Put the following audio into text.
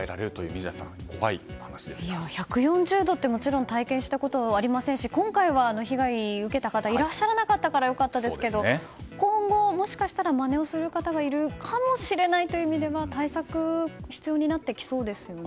宮司さん１４０度ってもちろん体験したことがありませんし今回は被害を受けた方がいらっしゃらなかったから良かったですけど今後、もしかしたらまねをする方がいるかもしれないという意味では対策が必要になってきそうですよね。